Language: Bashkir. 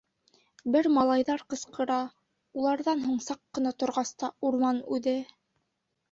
Бер малайҙар ҡысҡыра, уларҙан һуң, саҡ ҡына торғас та, урман үҙе: